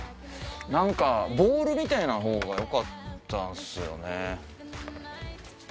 何かボウルみたいなほうがよかったんすよね。